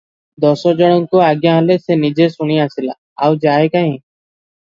ଦଶଜଣଙ୍କୁ ଆଜ୍ଞା ହେଲା, ସେ ନିଜେ ଶୁଣି ଆସିଲା, ଆଉ ଯାଏ କାହିଁ?